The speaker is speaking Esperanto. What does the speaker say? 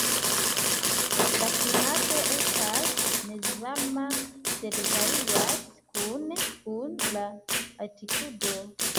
La klimato estas mezvarma, sed varias kune kun la altitudo.